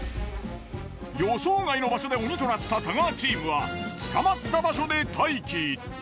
予想外の場所で鬼となった太川チームは捕まった場所で待機。